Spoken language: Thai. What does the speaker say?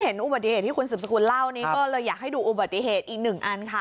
เห็นอุบัติเหตุที่คุณซึมสกุลเล่าเลยอยากให้ดูอุบัติเหตุอีก๑อันค่ะ